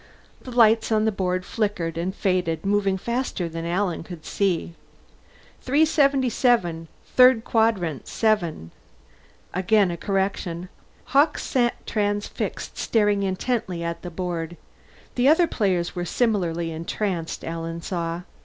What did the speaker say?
The lights on the board flickered and faded, moving faster than Alan could see. "377 third quadrant 7." Again a correction. Hawkes sat transfixed, staring intently at the board. The other players were similarly entranced, Alan saw.